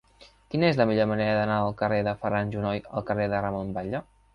Quina és la millor manera d'anar del carrer de Ferran Junoy al carrer de Ramon Batlle?